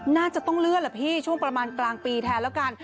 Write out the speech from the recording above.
น่าจะต้องเลื่อนแหละพี่ช่วงประมาณกลางปีแทนแล้วกัน